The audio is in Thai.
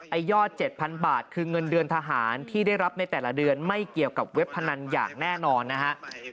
ยอด๗๐๐บาทคือเงินเดือนทหารที่ได้รับในแต่ละเดือนไม่เกี่ยวกับเว็บพนันอย่างแน่นอนนะฮะ